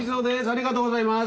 ありがとうございます！